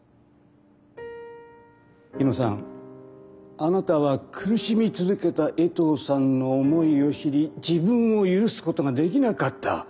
日野さんあなたは苦しみ続けた衛藤さんの思いを知り自分を許すことができなかった。